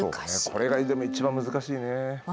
これがでも一番難しいね。